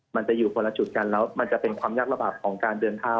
มันจะอยู่คนละจุดกันแล้วมันจะเป็นความยากลำบากของการเดินเท้า